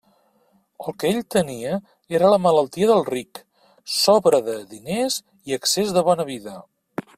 El que ell tenia era la malaltia del ric: sobra de diners i excés de bona vida.